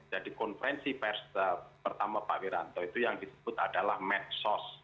jadi konferensi pers pertama pak wiranto itu yang disebut adalah medsos